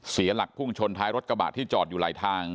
เสียหลักพุ่งชนท้ายรถกระบะที่จอดอยู่หลายทาง